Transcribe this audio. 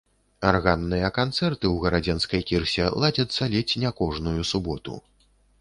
Арганныя канцэрты ў гарадзенскай кірсе ладзяцца ледзь не кожную суботу.